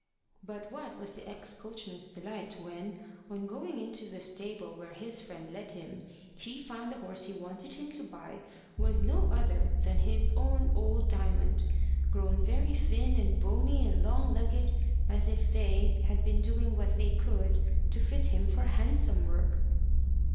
But what was the ex coachman's delight, when, on going into the stable where his friend led him, he found the horse he wanted him to buy was no other than his own old Diamond, grown very thin and bony and long legged, as if they, had been doing what they could to fit him for Hansom work!